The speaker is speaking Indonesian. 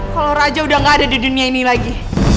kalau raja udah gak ada di dunia ini lagi